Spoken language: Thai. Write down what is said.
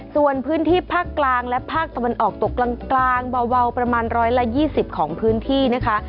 ส่วนพื้นที่ภาคกลางและภาคตะวันออกตกกลางเบาประมาณ๑๒๐ของพื้นที่นะคะ